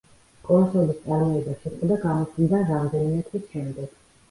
კონსოლის წარმოება შეწყდა გამოსვლიდან რამდენიმე თვის შემდეგ.